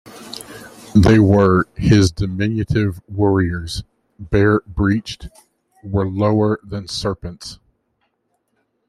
They were "his diminutive warriors", "bare breeched", "were lower than serpents".